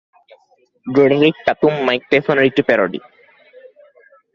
ড্রেডারিক টাতুম মাইক টাইসনের একটি প্যারোডি।